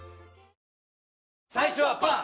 最初はパー！